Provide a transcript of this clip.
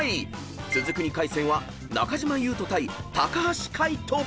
［続く２回戦は中島裕翔対橋海人］